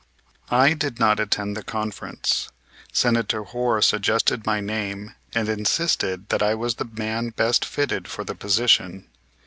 I did not attend the conference. Senator Hoar suggested my name and insisted that I was the man best fitted for the position.